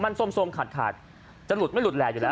มันสมขาดขาดจะหลุดไม่หลุดแหล่อยู่แล้ว